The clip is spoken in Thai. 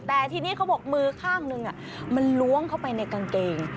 แต่ทีนี้เขาบอกมือข้างหนึ่งมันล้วงเข้าไปในกางเกง